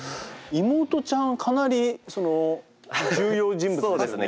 妹ちゃんかなり重要人物ですね。